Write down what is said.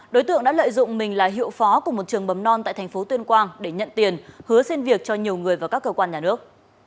đối tượng đã lợi dụng mình là hiệu phó của một trường bấm non tại thành phố tuyên quang để nhận tiền hứa xin việc cho nhiều người và các cơ quan nhà nước